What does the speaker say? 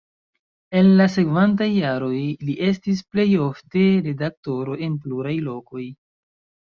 En la sekvantaj jaroj li estis plej ofte redaktoro en pluraj lokoj.